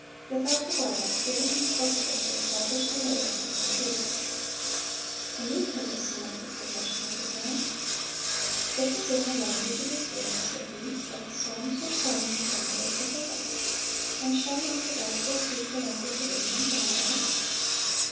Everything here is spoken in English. Without the Bible it is impossible to establish the laity in the truth."(362) A new purpose now took possession of his mind. "It was in the language of Israel," said he, "that the psalms were sung in the temple of Jehovah; and shall not the gospel speak the language of England among us?...